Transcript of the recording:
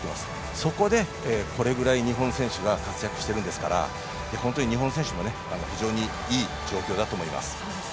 そこで、これぐらい日本選手が活躍してるんですから本当に日本選手も非常にいい状況だと思います。